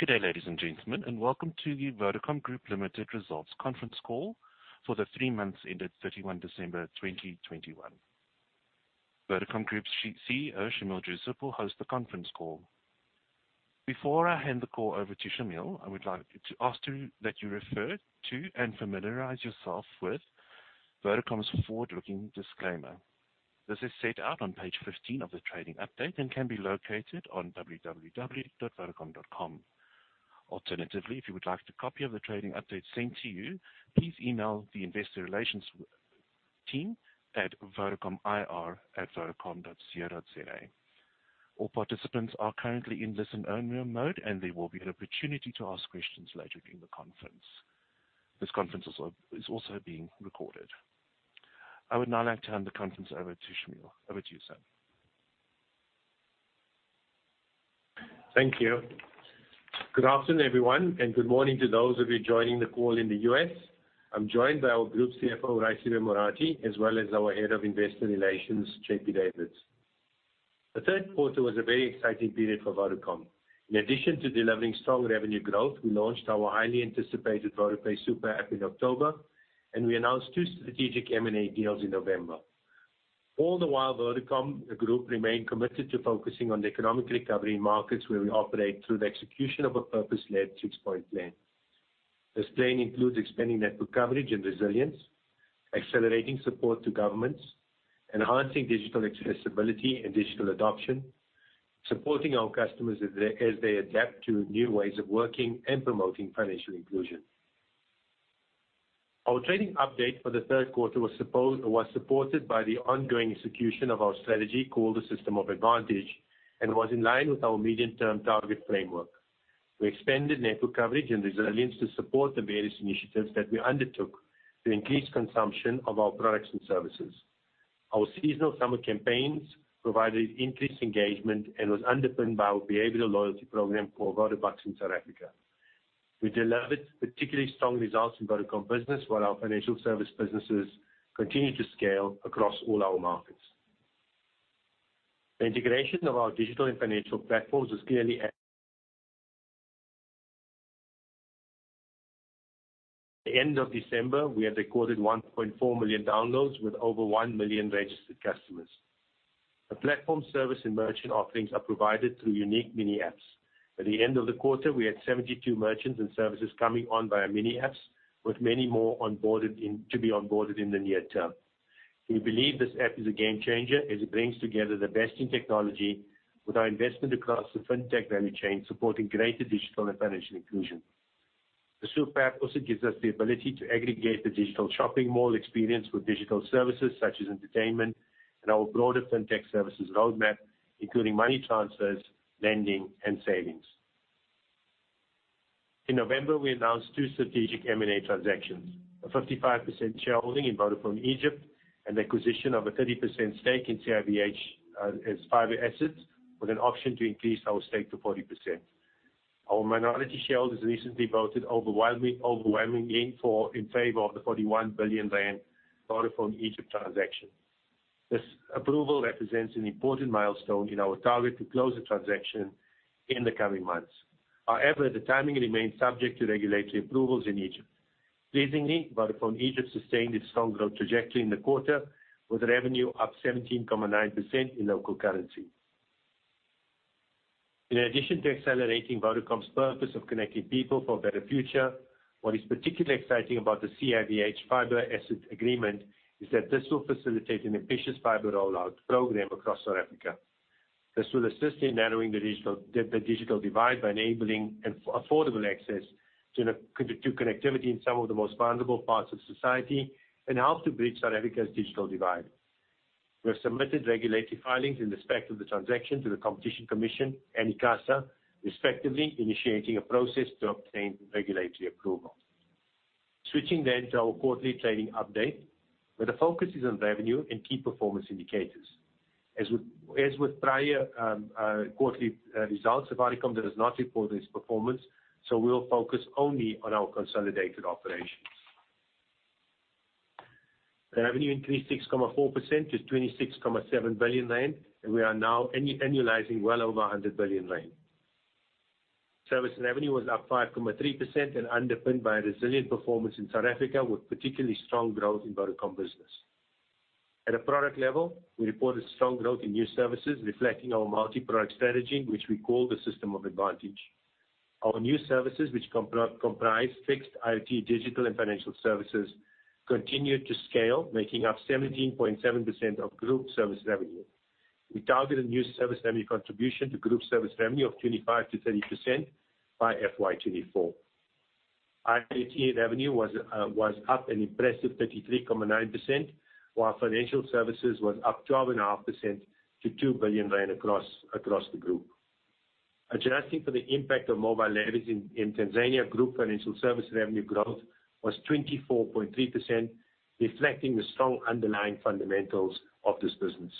Good day, ladies and gentlemen, and welcome to the Vodacom Group Limited Results Conference Call for the three months ended 31st December 2021. Vodacom Group CEO, Shameel Joosub, will host the conference call. Before I hand the call over to Shameel, I would like to ask that you refer to and familiarize yourself with Vodacom's forward-looking disclaimer. This is set out on page 15 of the trading update and can be located on www.vodacom.com. Alternatively, if you would like the copy of the trading update sent to you, please email the investor relations team at vodacomir@vodacom.co.za. All participants are currently in listen-only mode, and there will be an opportunity to ask questions later during the conference. This conference is also being recorded. I would now like to hand the conference over to Shameel. Over to you, sir. Thank you. Good afternoon, everyone, and good morning to those of you joining the call in the U.S. I'm joined by our Group CFO, Raisibe Morathi, as well as our Head of Investor Relations, JP Davids. The third quarter was a very exciting period for Vodacom. In addition to delivering strong revenue growth, we launched our highly anticipated VodaPay Super App in October, and we announced two strategic M&A deals in November. All the while, Vodacom, the group, remained committed to focusing on the economic recovery markets where we operate through the execution of a purpose-led six-point plan. This plan includes expanding network coverage and resilience, accelerating support to governments, enhancing digital accessibility and digital adoption, supporting our customers as they adapt to new ways of working and promoting financial inclusion. Our trading update for the third quarter was supported by the ongoing execution of our strategy called the System of Advantage, and was in line with our medium-term target framework. We expanded network coverage and resilience to support the various initiatives that we undertook to increase consumption of our products and services. Our seasonal summer campaigns provided increased engagement and was underpinned by our behavioral loyalty program called VodaBucks in South Africa. We delivered particularly strong results in Vodacom Business, while our financial service businesses continued to scale across all our markets. The integration of our digital and financial platforms is clearly at the end of December. We had recorded 1.4 million downloads with over 1 million registered customers. Platform service and merchant offerings are provided through unique mini apps. At the end of the quarter, we had 72 merchants and services coming on via mini apps, with many more to be onboarded in the near term. We believe this app is a game changer as it brings together the best in technology with our investment across the fintech value chain, supporting greater digital and financial inclusion. The Super App also gives us the ability to aggregate the digital shopping mall experience with digital services such as entertainment and our broader fintech services roadmap, including money transfers, lending, and savings. In November, we announced two strategic M&A transactions, a 55% shareholding in Vodafone Egypt, and the acquisition of a 30% stake in CIVH as fiber assets, with an option to increase our stake to 40%. Our minority shareholders recently voted overwhelmingly in favor of the 41 billion rand Vodafone Egypt transaction. This approval represents an important milestone in our target to close the transaction in the coming months. However, the timing remains subject to regulatory approvals in Egypt. Pleasingly, Vodafone Egypt sustained its strong growth trajectory in the quarter, with revenue up 17.9% in local currency. In addition to accelerating Vodacom's purpose of connecting people for a better future, what is particularly exciting about the CIVH fiber asset agreement is that this will facilitate an ambitious fiber rollout program across South Africa. This will assist in narrowing the regional digital divide by enabling affordable access to connectivity in some of the most vulnerable parts of society and help to bridge South Africa's digital divide. We have submitted regulatory filings in respect of the transaction to the Competition Commission and ICASA, respectively, initiating a process to obtain regulatory approval. Switching to our quarterly trading update, where the focus is on revenue and key performance indicators. As with prior quarterly results, Safaricom does not report this performance, so we'll focus only on our consolidated operations. The revenue increased 6.4% to 26.7 billion rand, and we are now annualizing well over 100 billion rand. Service revenue was up 5.3% and underpinned by a resilient performance in South Africa, with particularly strong growth in Vodacom Business. At a product level, we reported strong growth in new services, reflecting our multi-product strategy, which we call the System of Advantage. Our new services, which comprise fixed IoT digital and financial services, continued to scale, making up 17.7% of group service revenue. We target a new service revenue contribution to group service revenue of 25%-30% by FY 2024. IoT revenue was up an impressive 33.9%, while financial services was up 12.5% to 2 billion rand across the group. Adjusting for the impact of Mobile Money in Tanzania, group financial service revenue growth was 24.3%, reflecting the strong underlying fundamentals of this business.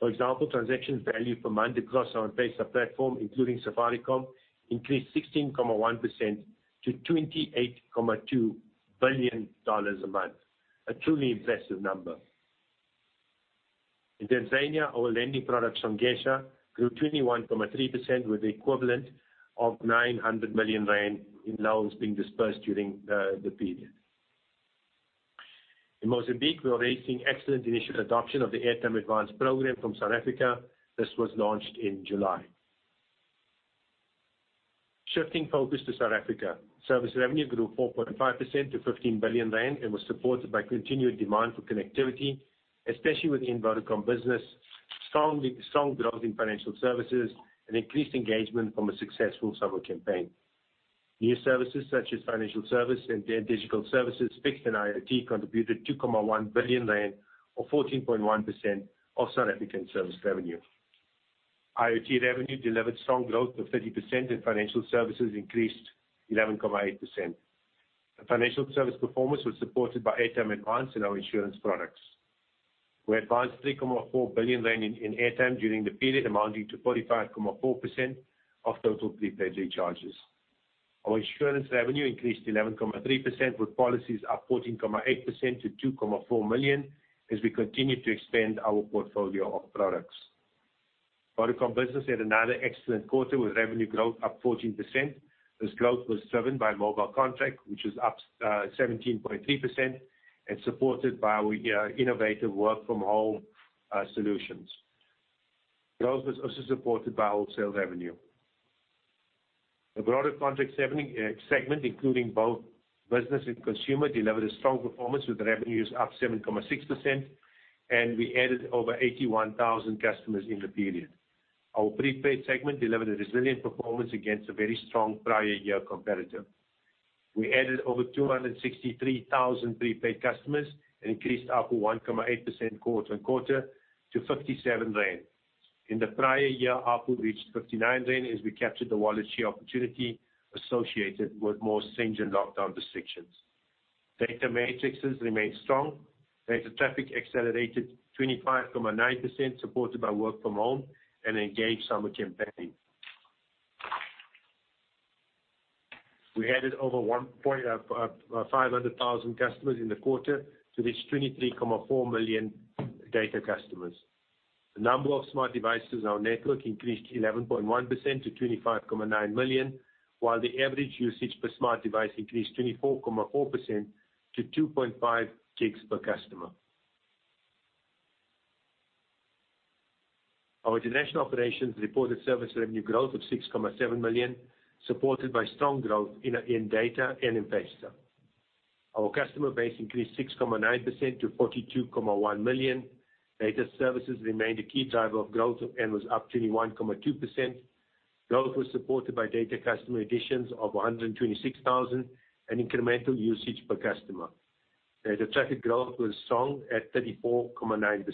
For example, transaction value per month across our M-Pesa platform, including Safaricom, increased 16.1%-$28.2 billion a month, a truly impressive number. In Tanzania, our lending product, Songesha, grew 21.3% with the equivalent of 900 million rand in loans being dispersed during the period. In Mozambique, we are seeing excellent initial adoption of the airtime advance program from South Africa. This was launched in July. Shifting focus to South Africa. Service revenue grew 4.5% to 15 billion rand and was supported by continued demand for connectivity, especially within Vodacom Business, strong growth in financial services, and increased engagement from a successful summer campaign. New services such as financial services and digital services, fixed and IoT contributed 2.1 billion rand or 14.1% of South African service revenue. IoT revenue delivered strong growth of 30%, and financial services increased 11.8%. The financial services performance was supported by airtime advances and our insurance products. We advanced 3.4 billion rand in airtime during the period, amounting to 45.4% of total prepaid recharges. Our insurance revenue increased 11.3%, with policies up 14.8% to 2.4 million as we continue to expand our portfolio of products. Vodacom Business had another excellent quarter with revenue growth up 14%. This growth was driven by mobile contract, which was up 17.3% and supported by our innovative work-from-home solutions. Growth was also supported by wholesale revenue. The broader contract serving segment, including both business and consumer, delivered a strong performance with revenues up 7.6%, and we added over 81,000 customers in the period. Our prepaid segment delivered a resilient performance against a very strong prior year comparative. We added over 263,000 prepaid customers and increased ARPU 1.8% quarter-on-quarter to 57 rand. In the prior year, ARPU reached 59 rand as we captured the wallet share opportunity associated with more stringent lockdown restrictions. Data metrics has remained strong. Data traffic accelerated 25.9%, supported by work from home and engaged summer campaign. We added over 150,000 customers in the quarter to reach 23.4 million data customers. The number of smart devices on our network increased 11.1% to 25.9 million, while the average usage per smart device increased 24.4% to 2.5 GB per customer. Our international operations reported service revenue growth of 6.7%, supported by strong growth in data and M-Pesa. Our customer base increased 6.9% to 42.1 million. Data services remained a key driver of growth and was up 21.2%. Growth was supported by data customer additions of 126,000 and incremental usage per customer. Data traffic growth was strong at 34.9%.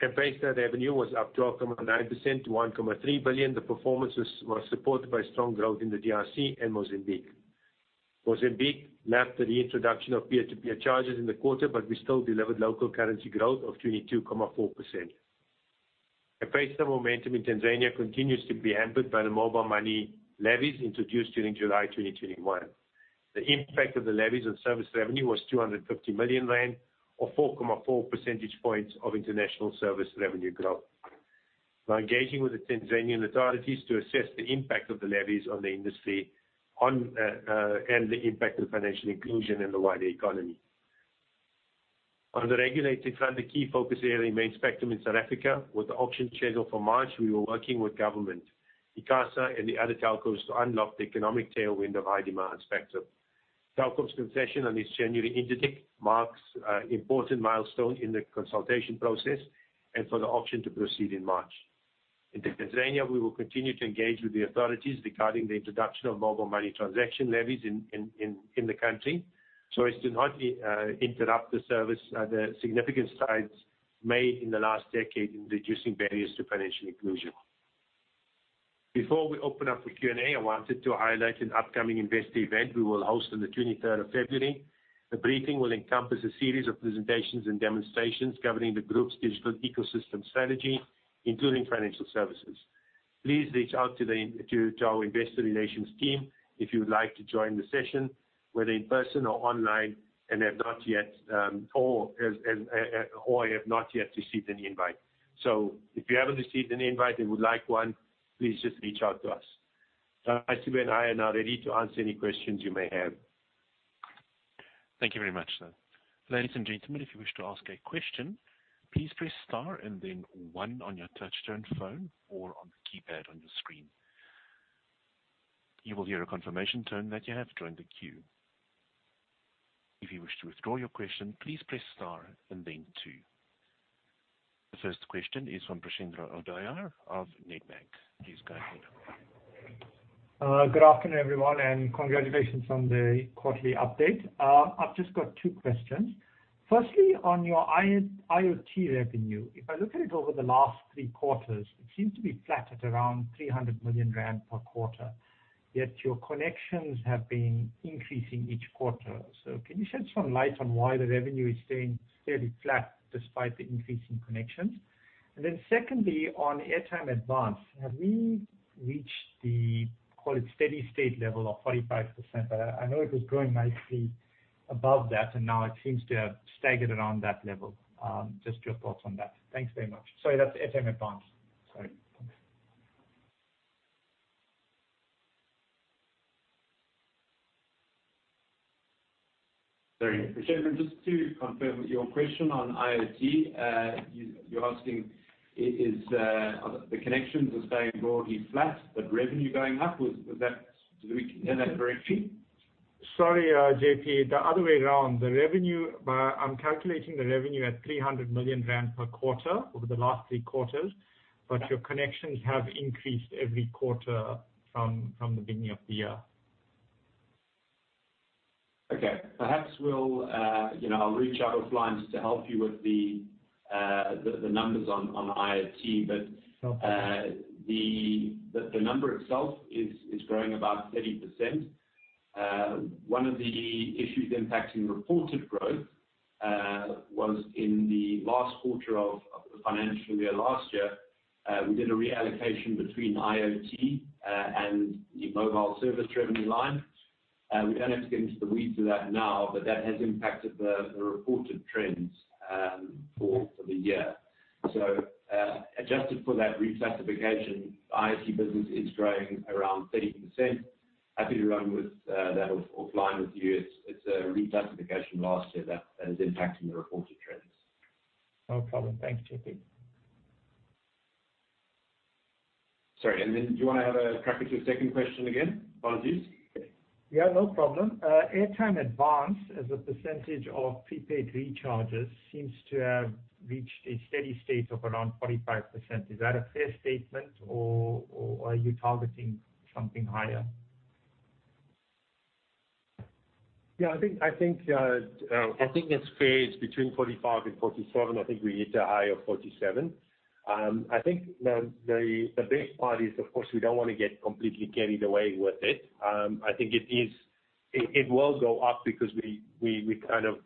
M-Pesa revenue was up 12.9% to 1.3 billion. The performance was supported by strong growth in the DRC and Mozambique. Mozambique lapped the reintroduction of peer-to-peer charges in the quarter, but we still delivered local currency growth of 22.4%. M-Pesa momentum in Tanzania continues to be hampered by the mobile money levies introduced during July 2021. The impact of the levies on service revenue was 250 million rand or 4.4 percentage points of international service revenue growth. We're engaging with the Tanzanian authorities to assess the impact of the levies on the industry and the impact of financial inclusion in the wider economy. On the regulated front, the key focus area remains spectrum in South Africa. With the auction scheduled for March, we were working with government, ICASA, and the other telcos to unlock the economic tailwind of high demand spectrum. Telkos concession on this January interdict marks an important milestone in the consultation process and for the auction to proceed in March. In Tanzania, we will continue to engage with the authorities regarding the introduction of mobile money transaction levies in the country, so as to not interrupt the service, the significant strides made in the last decade in reducing barriers to financial inclusion. Before we open up for Q&A, I wanted to highlight an upcoming investor event we will host on the twenty-third of February. The briefing will encompass a series of presentations and demonstrations covering the group's digital ecosystem strategy, including financial services. Please reach out to our investor relations team if you would like to join the session, whether in person or online, and have not yet received an invite. If you haven't received an invite and would like one, please just reach out to us. Isaac and I are now ready to answer any questions you may have. Thank you very much, sir. Ladies and gentlemen, if you wish to ask a question, please press star and then one on your touchtone phone or on the keypad on your screen. You will hear a confirmation tone that you have joined the queue. If you wish to withdraw your question, please press star and then two. The first question is from Preshendran Odayar of Nedbank. Please go ahead. Good afternoon, everyone, and congratulations on the quarterly update. I've just got two questions. Firstly, on your IoT revenue, if I look at it over the last three quarters, it seems to be flat at around 300 million rand per quarter, yet your connections have been increasing each quarter. Can you shed some light on why the revenue is staying fairly flat despite the increase in connections? Then secondly, on airtime advance, have we reached the, call it, steady state level of 45%? I know it was growing nicely above that, and now it seems to have staggered around that level. Just your thoughts on that. Thanks very much. Sorry, that's airtime advance. Sorry. Very appreciated. Just to confirm your question on IoT, you're asking is the connections are staying broadly flat, but revenue going up, was that. Did we hear that correctly? Sorry, JP, the other way around. The revenue, I'm calculating the revenue at 300 million rand per quarter over the last 3 quarters. Okay. Your connections have increased every quarter from the beginning of the year. Okay. Perhaps we'll, you know, I'll reach out offline just to help you with the numbers on IoT. Okay. The number itself is growing about 30%. One of the issues impacting reported growth was in the last quarter of the financial year last year, we did a reallocation between IoT and the mobile service revenue line. We don't have to get into the weeds of that now, but that has impacted the reported trends for the year. Adjusted for that reclassification, IoT business is growing around 30%. Happy to run with that offline with you. It's a reclassification last year that is impacting the reported trends. No problem. Thanks, JP. Sorry, do you wanna have a crack at your second question again, Francois? Yeah, no problem. Airtime advance as a percentage of prepaid recharges seems to have reached a steady state of around 45%. Is that a fair statement or are you targeting something higher? I think it's fair. It's between 45%-47%. I think we hit a high of 47%. I think the best part is, of course, we don't wanna get completely carried away with it. I think it is. It will go up because we kind of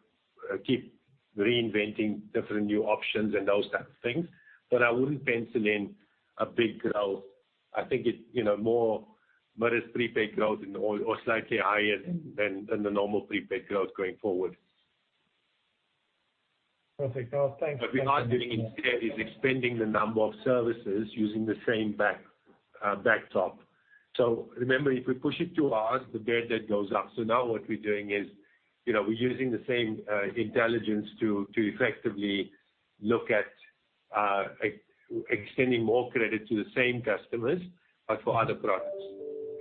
keep reinventing different new options and those type of things. I wouldn't pencil in a big growth. I think it's, you know, more modest prepaid growth. Slightly higher than the normal prepaid growth going forward. Perfect. Well, thanks so much for that. We are doing instead is expanding the number of services using the same backend. Remember, if we push it too hard, the debt then goes up. Now what we're doing is, you know, we're using the same intelligence to effectively look at extending more credit to the same customers, but for other products,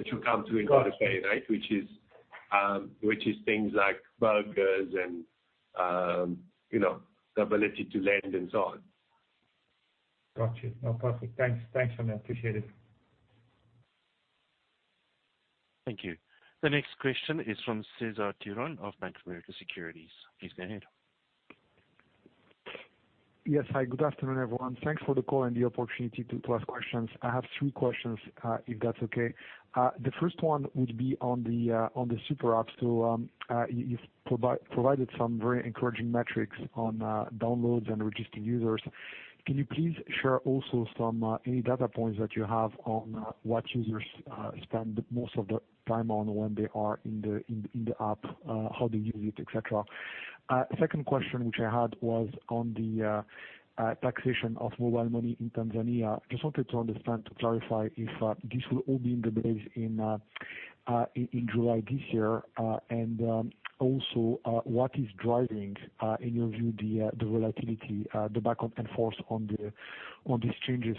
which we'll come to in a bit of time, right? Which is things like VodaBucks and, you know, the ability to lend and so on. Gotcha. No, perfect. Thanks. Thanks for that. Appreciate it. Thank you. The next question is from Cesar Tiron of Bank of America Securities. Please go ahead. Yes. Hi, good afternoon, everyone. Thanks for the call and the opportunity to ask questions. I have three questions, if that's okay. The first one would be on the super apps. You've provided some very encouraging metrics on downloads and registered users. Can you please share also some any data points that you have on what users spend the most of the time on when they are in the app, how they use it, et cetera? Second question which I had was on the taxation of mobile money in Tanzania. Just wanted to understand, to clarify if this will all be in the base case in July this year, and also what is driving, in your view, the volatility in the back half forecast on these changes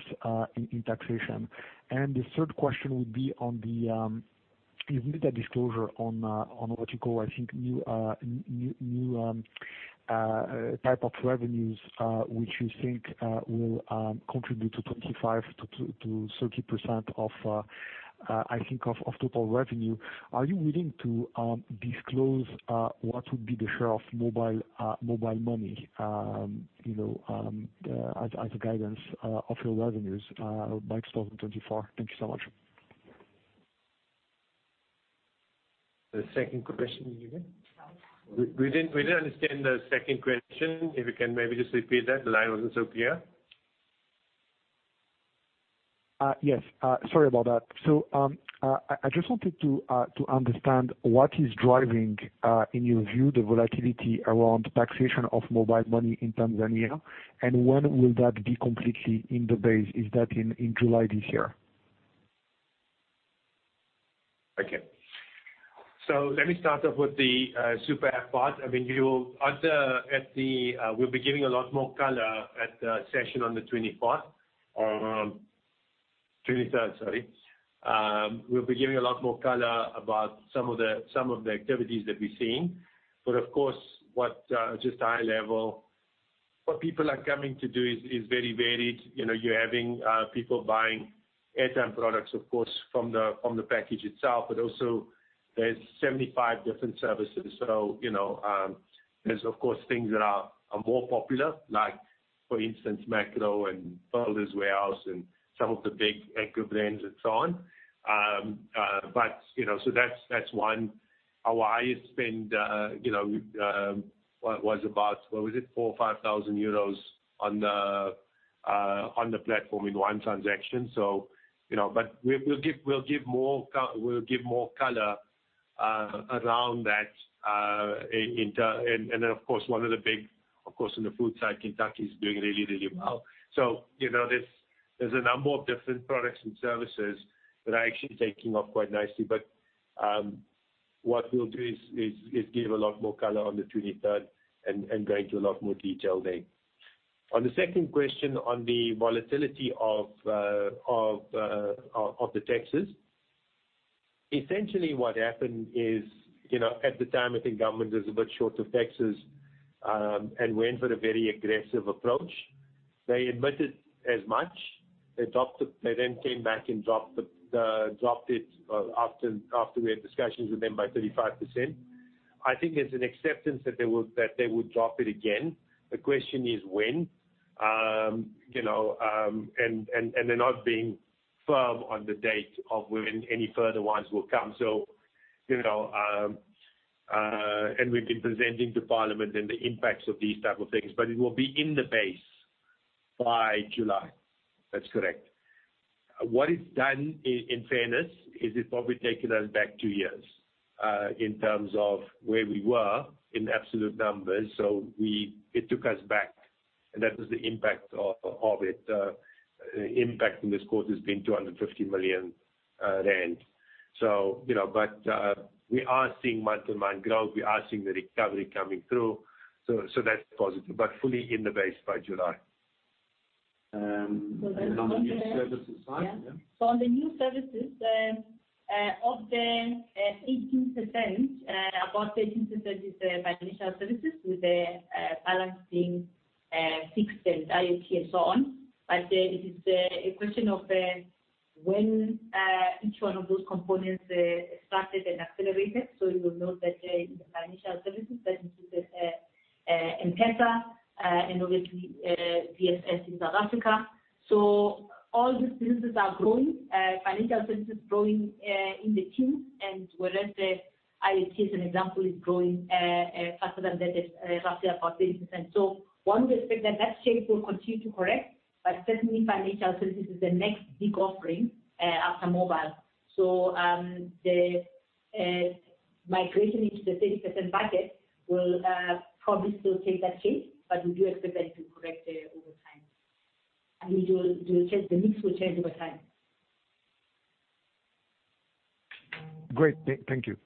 in taxation. The third question would be on the, you've made a disclosure on what you call, I think, new type of revenues, which you think will contribute to 25%-30% of total revenue. Are you willing to disclose what would be the share of mobile money, you know, as guidance of your revenues by 2024? Thank you so much. The second question again? Sorry. We didn't understand the second question. If you can maybe just repeat that. The line wasn't so clear. Yes, sorry about that. I just wanted to understand what is driving, in your view, the volatility around taxation of mobile money in Tanzania, and when will that be completely in the base? Is that in July this year? Okay. Let me start off with the Super App part. We'll be giving a lot more color at the session on the 23rd, sorry, about some of the activities that we're seeing. Of course, just high level, what people are coming to do is very varied. You know, you're having people buying airtime products, of course from the package itself, but also there's 75 different services. You know, there's of course things that are more popular, like for instance, Makro and Builders Warehouse and some of the big anchor brands and so on. You know, that's one. Our highest spend, you know, was about, what was it, 4,000-5,000 euros on the platform in one transaction. You know, but we'll give more color around that in terms. Then of course, one of the big. Of course, on the food side, KFC is doing really well. You know, there's a number of different products and services that are actually taking off quite nicely. But what we'll do is give a lot more color on the 23rd and go into a lot more detail then. On the second question on the volatility of the taxes. Essentially what happened is, you know, at the time, I think government was a bit short of taxes, and went for a very aggressive approach. They admitted as much. They then came back and dropped it after we had discussions with them by 35%. I think there's an acceptance that they will drop it again. The question is when. You know, they're not being firm on the date of when any further ones will come. We've been presenting to parliament the impacts of these type of things, but it will be in the base by July. That's correct. What it's done in fairness is it's probably taken us back two years in terms of where we were in absolute numbers. So we It took us back, and that was the impact of it impacting this quarter's been 250 million rand. You know, but we are seeing month-to-month growth. We are seeing the recovery coming through. That's positive, but fully in the base by July and on the new services side. Yeah. On the new services, of the 18%, about 13% is financial services with the balance being fixed and IoT and so on. It is a question of when each one of those components started and accelerated. You will note that in the financial services that included M-Pesa and obviously VFS in South Africa. All these businesses are growing, financial services growing in the teens and whereas the IoT, as an example, is growing faster than that South Africa business. One would expect that shape will continue to correct, but certainly financial services is the next big offering after mobile. The migration into the 30% bucket will probably still take that shape, but we do expect that to correct over time. It will change, the mix will change over time. Great. Thank you.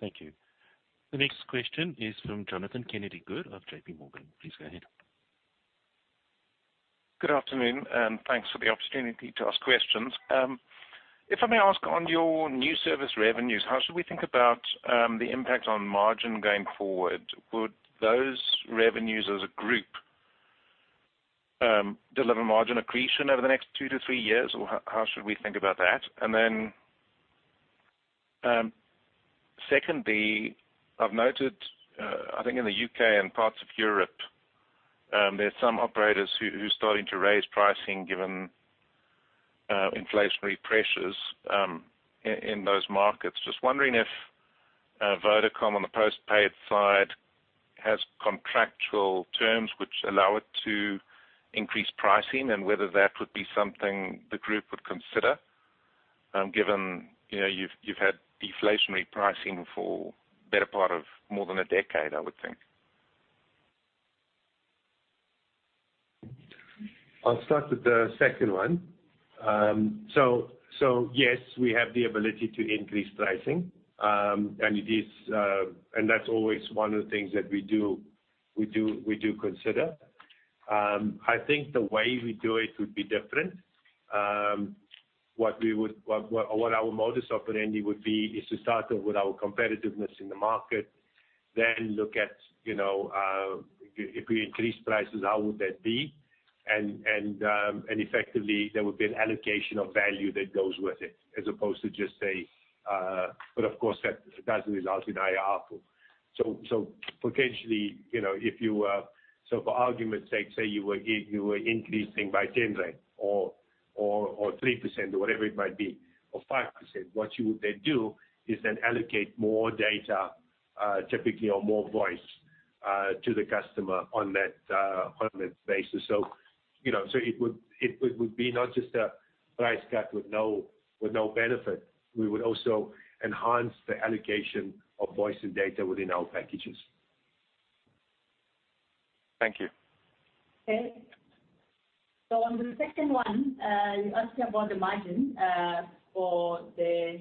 Thank you. The next question is from Jonathan Kennedy-Good of JP Morgan. Please go ahead. Good afternoon, and thanks for the opportunity to ask questions. If I may ask on your new service revenues, how should we think about the impact on margin going forward? Would those revenues as a group deliver margin accretion over the next two to three years, or how should we think about that? Secondly, I've noted, I think in the U.K. and parts of Europe, there's some operators who are starting to raise pricing given inflationary pressures in those markets. Just wondering if Vodacom on the post-paid side has contractual terms which allow it to increase pricing and whether that would be something the group would consider, given, you know, you've had deflationary pricing for better part of more than a decade, I would think. I'll start with the second one. Yes, we have the ability to increase pricing. That's always one of the things that we do consider. I think the way we do it would be different. What our modus operandi would be is to start with our competitiveness in the market, then look at you know, if we increase prices, how would that be. Effectively, there would be an allocation of value that goes with it as opposed to just a. Of course, that does result in higher ARPU. Potentially, you know, if you, for argument's sake, say you were increasing by 10 rand or 3% or whatever it might be, or 5%, what you would then do is allocate more data, typically, or more voice, to the customer on that basis. You know, it would be not just a price cut with no benefit. We would also enhance the allocation of voice and data within our packages. Thank you. Okay. On the second one, you asked about the margin for the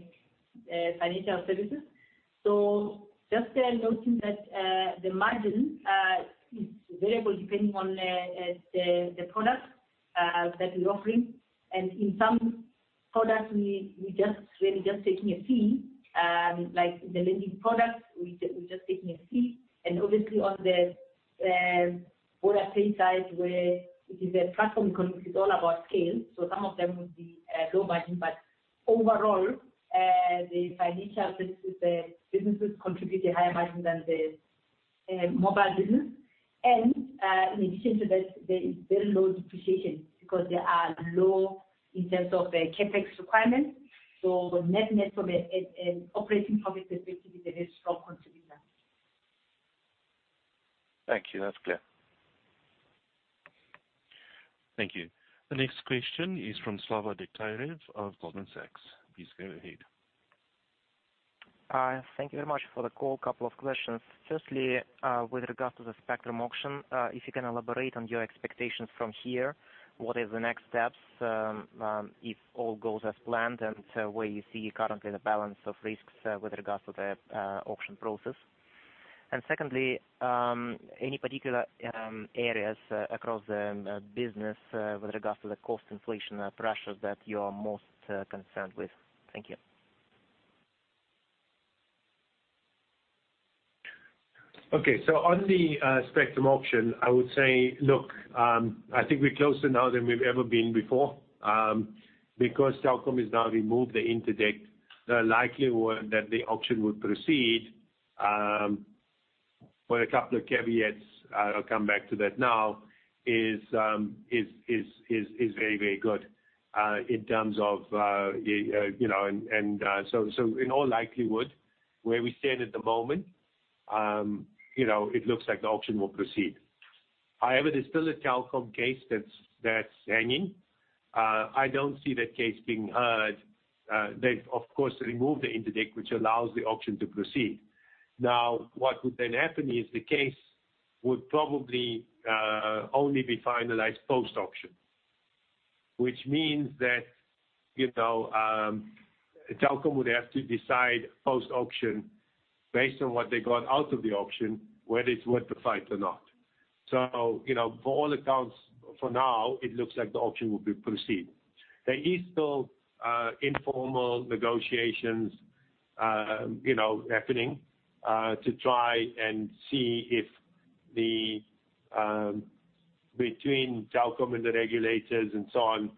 financial services. Just to note that the margin is variable depending on the product that we're offering. In some products, we're just taking a fee, like the lending products, we're just taking a fee. Obviously on the VodaPay side, where it is a platform economy, it's all about scale. Some of them would be low margin. Overall, the financial businesses contribute a higher margin than the mobile business. In addition to that, there is very low depreciation because there are low CapEx requirements. Net-net from an operating profit perspective is a very strong contributor. Thank you. That's clear. Thank you. The next question is from Slava Diktyarev of Goldman Sachs. Please go ahead. Hi, thank you very much for the call. Couple of questions. Firstly, with regard to the spectrum auction, if you can elaborate on your expectations from here, what is the next steps, if all goes as planned, and where you see currently the balance of risks, with regards to the auction process? Secondly, any particular areas across the business, with regards to the cost inflation pressures that you are most concerned with? Thank you. Okay. On the spectrum auction, I would say, look, I think we're closer now than we've ever been before, because Telkom has now removed the interdict. The likelihood that the auction would proceed with a couple of caveats, I'll come back to that now, is very, very good in terms of you know in all likelihood, where we stand at the moment, you know, it looks like the auction will proceed. However, there's still a Telkom case that's hanging. I don't see that case being heard. They've, of course, removed the interdict, which allows the auction to proceed. Now, what would then happen is the case would probably only be finalized post-auction. Which means that, you know, Telkom would have to decide post-auction based on what they got out of the auction, whether it's worth the fight or not. You know, for all intents and purposes for now, it looks like the auction will proceed. There is still informal negotiations, you know, happening between Telkom and the regulators and so on,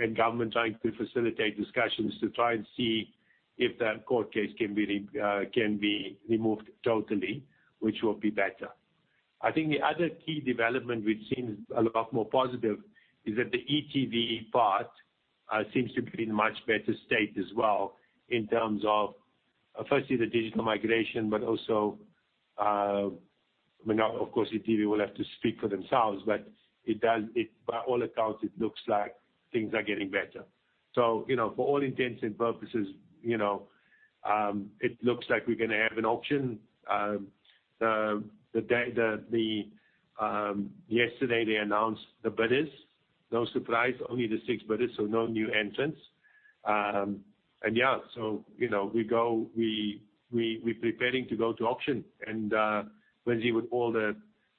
and government trying to facilitate discussions to try and see if that court case can be removed totally, which will be better. I think the other key development which seems a lot more positive is that the e.tv part seems to be in much better state as well in terms of firstly the digital migration, but also, I mean, now of course e.tv will have to speak for themselves, but it does, by all accounts, it looks like things are getting better. You know, for all intents and purposes, you know, it looks like we're gonna have an auction. Yesterday they announced the bidders. No surprise, only the six bidders, so no new entrants. You know, we're preparing to go to auction and, Lindsay, with all the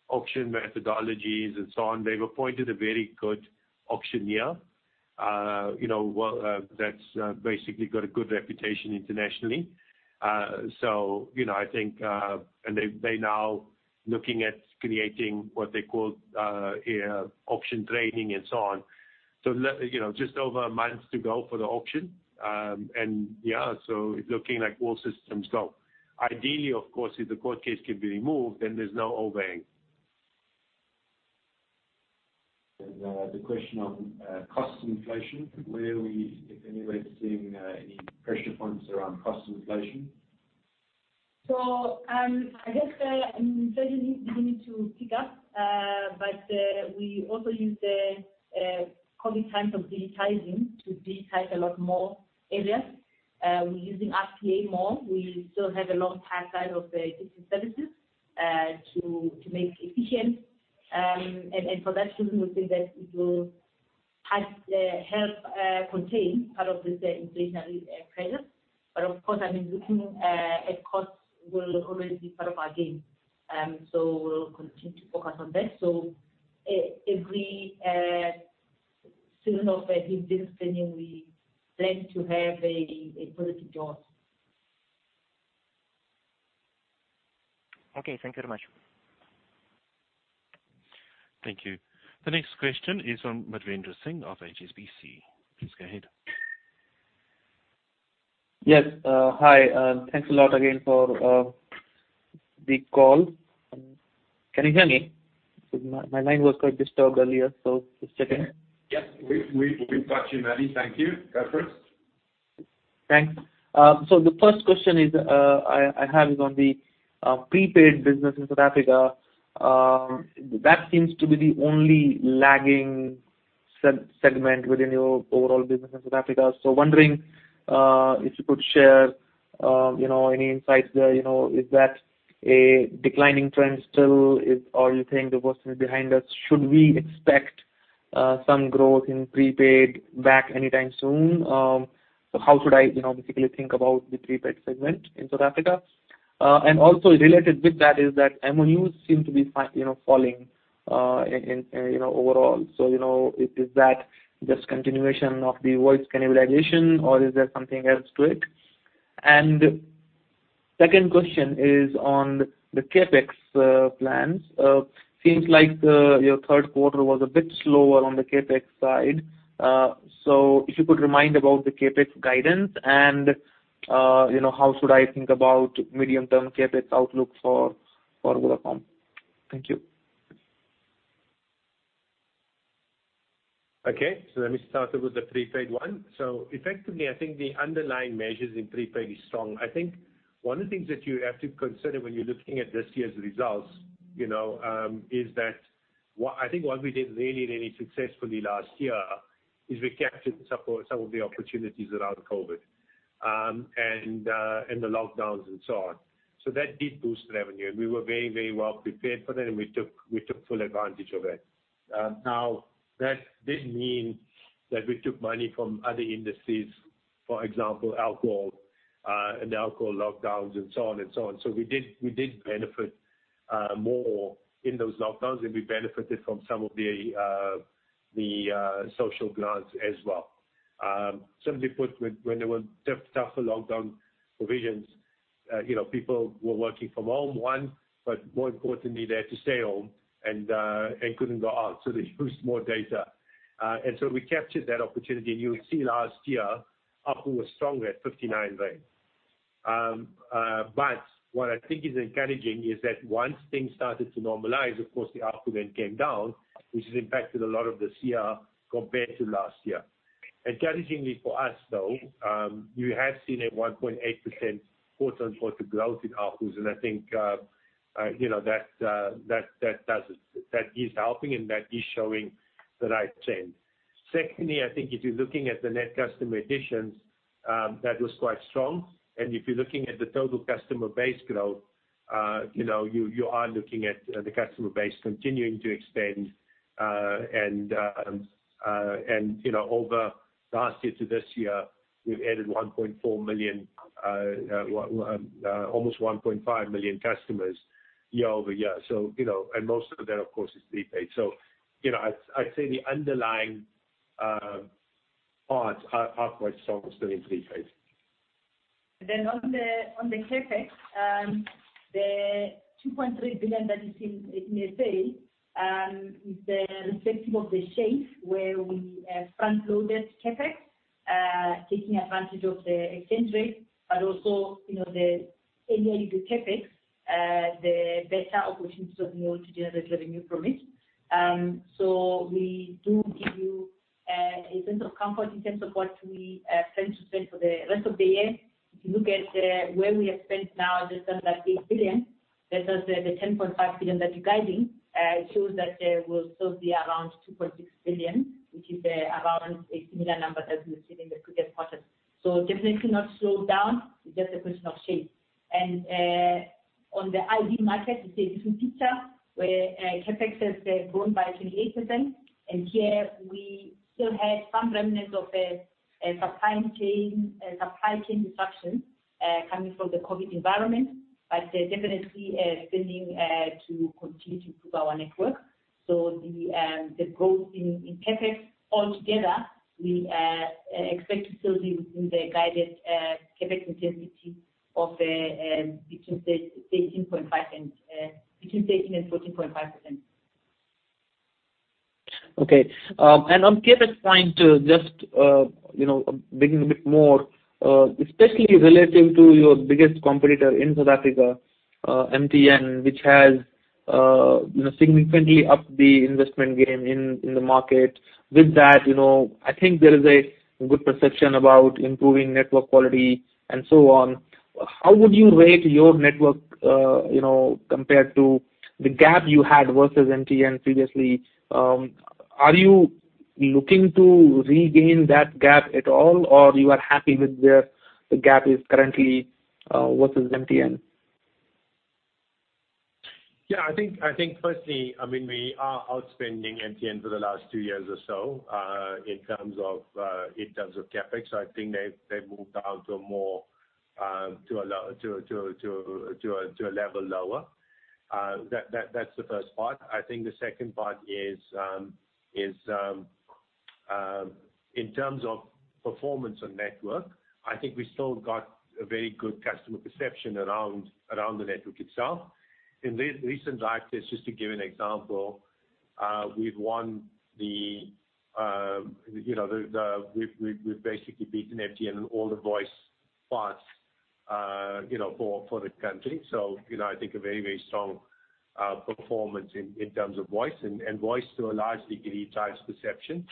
auction methodologies and so on, they've appointed a very good auctioneer, you know, that's basically got a good reputation internationally. You know, I think, and they now looking at creating what they call auction trading and so on. You know, just over a month to go for the auction. Yeah, it's looking like all systems go. Ideally, of course, if the court case can be removed, then there's no delaying. The question on cost inflation, where are we, if anywhere, seeing any pressure points around cost inflation? I guess, inflation is beginning to pick up. We also used the COVID time of digitizing to digitize a lot more areas. We're using RPA more. We still have a long tail side of the digital services to make efficient. For that reason, we think that it will help contain part of this inflationary pressures. Of course, I mean, looking at costs will always be part of our game. We'll continue to focus on that. Every season of the business planning we plan to have a priority job. Okay, thank you very much. Thank you. The next question is from Madhvendra Singh of HSBC. Please go ahead. Yes. Hi. Thanks a lot again for the call. Can you hear me? My line was quite disturbed earlier, so just checking. Yes. We've got you, Madhi. Thank you. Go for it. Thanks. The first question I have is on the prepaid business in South Africa. That seems to be the only lagging segment within your overall business in South Africa. Wondering if you could share, you know, any insights there. You know, is that a declining trend still, or do you think the worst is behind us? Should we expect some growth in prepaid back anytime soon? How should I, you know, basically think about the prepaid segment in South Africa? And also related with that is that MOUs seem to be falling, you know, in overall. You know, is that just continuation of the voice cannibalization or is there something else to it? The second question is on the CapEx plans. Seems like your third quarter was a bit slower on the CapEx side. If you could remind about the CapEx guidance and, you know, how should I think about medium-term CapEx outlook for Vodacom? Thank you. Okay, let me start with the prepaid one. Effectively, I think the underlying measures in prepaid is strong. I think one of the things that you have to consider when you're looking at this year's results, you know, is that I think what we did really, really successfully last year is we captured some of the opportunities around COVID, and the lockdowns, and so on. That did boost revenue, and we were very, very well prepared for that, and we took full advantage of it. Now that did mean that we took money from other industries, for example, alcohol, and alcohol lockdowns and so on. We did benefit more in those lockdowns, and we benefited from some of the social grants as well. Simply put, when there were tough, tougher lockdown provisions, you know, people were working from home, but more importantly, they had to stay home and couldn't go out, so they used more data. We captured that opportunity, and you would see last year ARPU was stronger at 59 rand. What I think is encouraging is that once things started to normalize, of course, the ARPU then came down, which has impacted a lot of this year compared to last year. Encouragingly for us, though, you have seen a 1.8% quarter-on-quarter growth in ARPUs, and I think, you know, that does it. That is helping, and that is showing the right trend. Secondly, I think if you're looking at the net customer additions, that was quite strong. If you're looking at the total customer base growth, you know, you are looking at the customer base continuing to expand. You know, over last year to this year, we've added 1.4 million, almost 1.5 million customers year over year. You know, most of that, of course, is prepaid. You know, I'd say the underlying parts are quite strong still in prepaid. On the CapEx, the 2.3 billion that you see in SA is reflective of the shape where we front-loaded CapEx, taking advantage of the exchange rate, but also, you know, enabling the CapEx the better opportunities that we want to generate revenue from it. We do give you a sense of comfort in terms of what we plan to spend for the rest of the year. If you look at where we have spent now, just under 8 billion versus the 10.5 billion that you're guiding, it shows that we'll still be around 2.6 billion, which is around a similar number that we've seen in the previous quarters. Definitely not slowed down, it's just a question of shape. On the IT market, it's a different picture, where CapEx has grown by 28%, and here we still had some remnants of a supply chain disruption coming from the COVID environment. Definitely spending to continue to improve our network. The growth in CapEx altogether we expect to still be within the guided CapEx intensity of between 13% and 14.5%. Okay. On CapEx point, just, you know, digging a bit more, especially relating to your biggest competitor in South Africa, MTN, which has, you know, significantly upped the investment game in the market. With that, you know, I think there is a good perception about improving network quality and so on. How would you rate your network, compared to the gap you had versus MTN previously? Are you looking to regain that gap at all, or you are happy with where the gap is currently, versus MTN? I think firstly, I mean, we are outspending MTN for the last two years or so in terms of CapEx. I think they've moved down to a lower level. That's the first part. I think the second part is in terms of performance and network. I think we've still got a very good customer perception around the network itself. In recent live tests, just to give an example, we've won the, you know, the, we've basically beaten MTN in all the voice parts, you know, for the country. You know, I think a very strong performance in terms of voice. Voice to a large degree drives perception,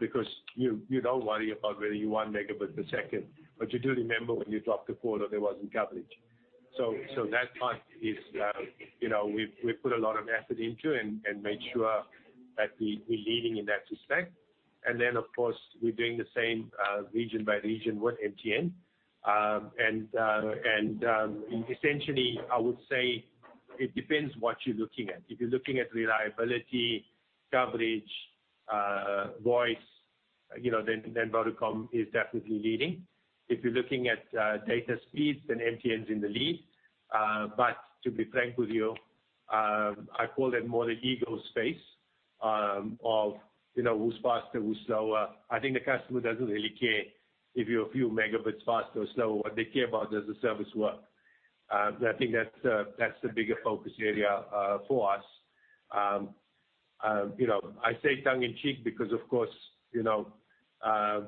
because you don't worry about whether you one megabits per second, but you do remember when you dropped a call or there wasn't coverage. That part is, you know, we've put a lot of effort into, and made sure that we're leading in that respect. Of course, we're doing the same, region by region with MTN. Essentially, I would say it depends what you're looking at. If you're looking at reliability, coverage, voice, you know, then Vodacom is definitely leading. If you're looking at data speeds, then MTN's in the lead. To be frank with you, I call that more the ego space, of, you know, who's faster, who's slower. I think the customer doesn't really care if you're a few megabits faster or slower. What they care about, does the service work? I think that's the bigger focus area for us. You know, I say tongue in cheek because, of course, you know, I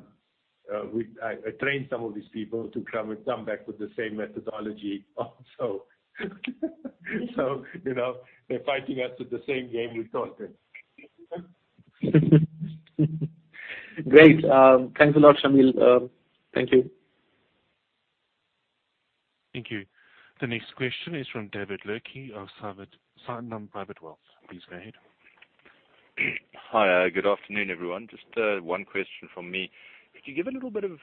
trained some of these people to come back with the same methodology also. You know, they're fighting us with the same game we taught them. Great. Thanks a lot, Shameel. Thank you. Thank you. The next question is from David Lerche of Sanlam Private Wealth. Please go ahead. Hi, good afternoon, everyone. Just, one question from me. Could you give a little bit of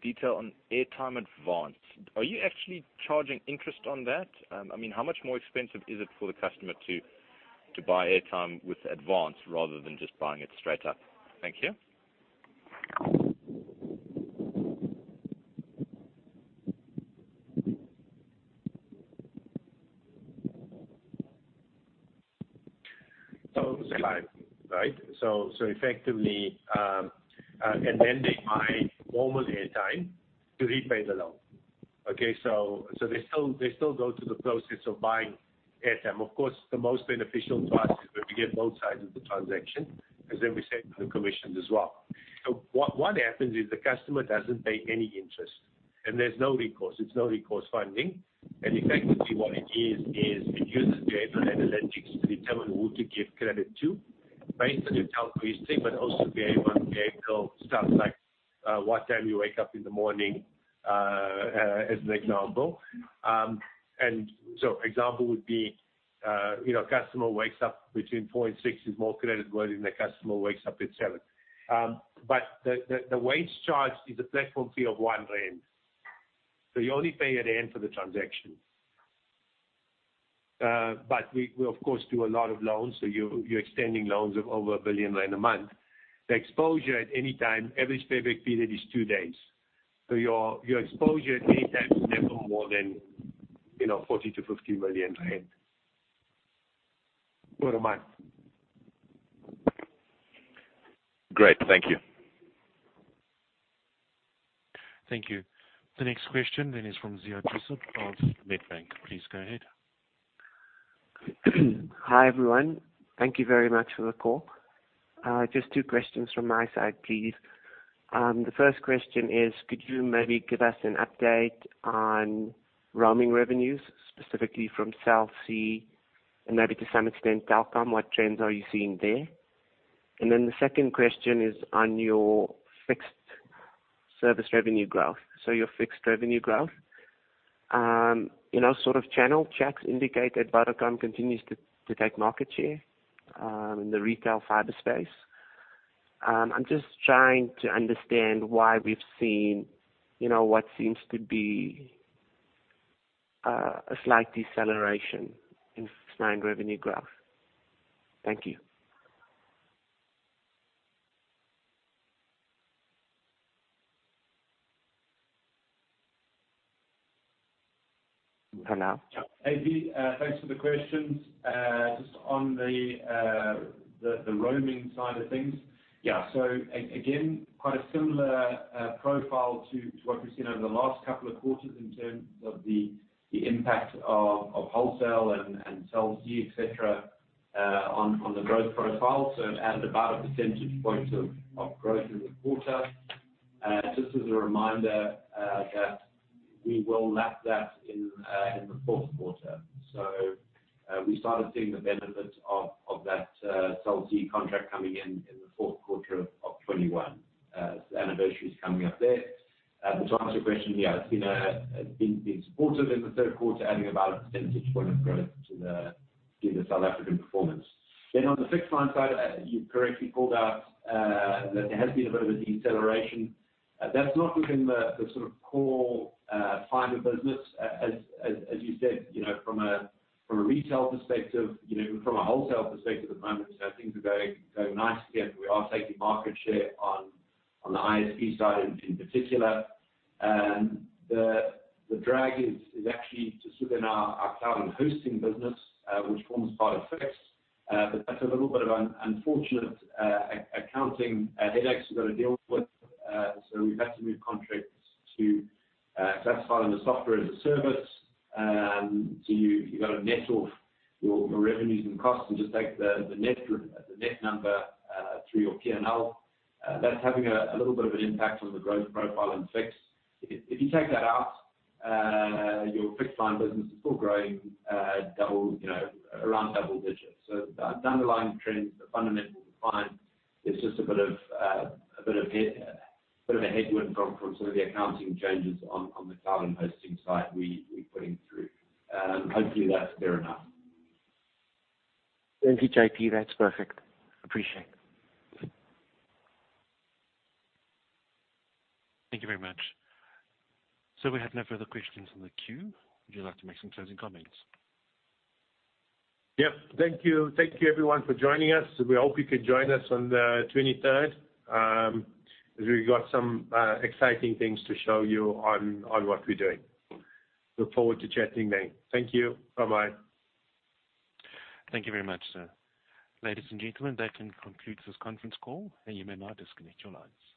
detail on airtime advance? Are you actually charging interest on that? I mean, how much more expensive is it for the customer to buy airtime with advance rather than just buying it straight up? Thank you. SIMO, right? Effectively, and then they buy normal airtime to repay the loan. Okay? They still go to the process of buying airtime. Of course, the most beneficial to us is where we get both sides of the transaction, 'cause then we save on the commissions as well. What happens is the customer doesn't pay any interest, and there's no recourse. It's no-recourse funding. Effectively what it is it uses behavioral analytics to determine who to give credit to based on your telco history, but also behavioral stuff like what time you wake up in the morning, as an example. Example would be, you know, a customer wakes up between four and six is more creditworthy than a customer who wakes up at seven. The way charged is a platform fee of 1 rand. You only pay ZAR 1 for the transaction. We of course do a lot of loans, so you're extending loans of over 1 billion rand a month. The exposure at any time. Average payback period is two days. Your exposure at any time is never more than, you know, 40 million-50 million rand per month. Great. Thank you. Thank you. The next question is from Ziyad Joosub of Nedbank. Please go ahead. Hi, everyone. Thank you very much for the call. Just two questions from my side, please. The first question is, could you maybe give us an update on roaming revenues, specifically from Cell C and maybe to some extent Telkom? What trends are you seeing there? The second question is on your fixed service revenue growth. You know, sort of channel checks indicate that Vodacom continues to take market share in the retail fiber space. I'm just trying to understand why we've seen, you know, what seems to be a slight deceleration in fixed line revenue growth. Thank you. Hernout? JP, thanks for the questions. Just on the roaming side of things. Yeah. Again, quite a similar profile to what we've seen over the last couple of quarters in terms of the impact of wholesale and Cell C, et cetera, on the growth profile. It added about a percentage point of growth in the quarter. Just as a reminder that we will lap that in the fourth quarter. We started seeing the benefit of that Cell C contract coming in in the fourth quarter of 2021. Anniversary's coming up there. To answer your question, yeah, it's been supportive in the third quarter, adding about a percentage point of growth to the South African performance. On the fixed line side, you correctly called out that there has been a bit of a deceleration. That's not within the sort of core fiber business. As you said, you know, from a retail perspective, you know, from a wholesale perspective at the moment. Things are going nicely, and we are taking market share on the ISP side in particular. The drag is actually just within our cloud and hosting business, which forms part of fixed. But that's a little bit of an unfortunate accounting headache we've got to deal with. We've had to move contracts to classify them as software as a service. You've got to net off your revenues and costs and just take the net number through your P&L. That's having a little bit of an impact on the growth profile in fixed. If you take that out, your fixed line business is still growing double, you know, around double digits. The underlying trends are fundamentally fine. There's just a bit of a headwind come from some of the accounting changes on the cloud and hosting side we're putting through. Hopefully that's fair enough. Thank you, JP. That's perfect. Appreciate it. Thank you very much. We have no further questions in the queue. Would you like to make some closing comments? Yep. Thank you. Thank you everyone for joining us. We hope you can join us on the twenty-third as we've got some exciting things to show you on what we're doing. Look forward to chatting then. Thank you. Bye-bye. Thank you very much, sir. Ladies and gentlemen, that then concludes this conference call. You may now disconnect your lines.